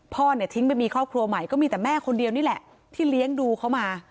พ่อเนี่ยทิ้งไปมีครอบครัวใหม่ก็มีแต่แม่คนเดียวนี่แหละที่เลี้ยงดูเขามา